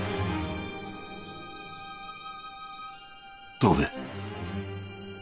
藤兵衛。